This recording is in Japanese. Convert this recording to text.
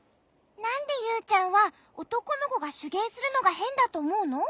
なんでユウちゃんはおとこのこがしゅげいするのがへんだとおもうの？